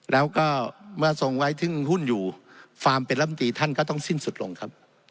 แล้วก็เมื่อทรงไว้ถึงหุ้นอยู่ฟาร์มเป็นลำตีท่านก็ต้องสิ้นสุดลงครับ